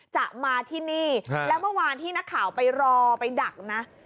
จะมาที่นี่แล้วเมื่อวานที่นักข่าวไปรอไปดักนะ